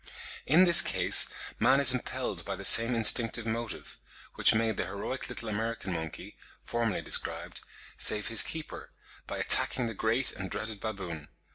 In this case man is impelled by the same instinctive motive, which made the heroic little American monkey, formerly described, save his keeper, by attacking the great and dreaded baboon.